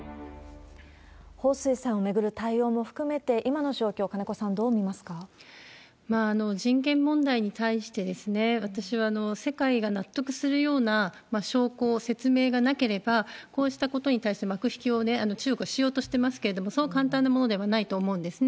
彭帥さんを巡る対応も含めて、今の状況、金子さん、人権問題に対して、私は世界が納得するような証拠、説明がなければ、こうしたことに対して幕引きを中国はしようとしていますけれども、そう簡単なものではないと思うんですね。